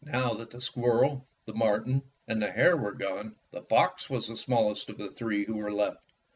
Now that the squirrel, the marten, and the hare were gone, the fox was the smallest of the three who were left.